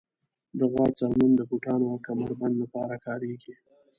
د غوا څرمن د بوټانو او کمر بند لپاره کارېږي.